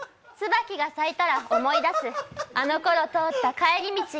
椿が咲いたら思い出す、あの頃通った帰り道。